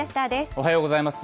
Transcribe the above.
おはようございます。